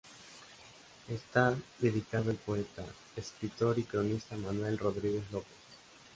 Está dedicado al poeta, escritor y cronista Manuel Rodríguez López.